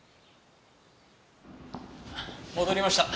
戻りました。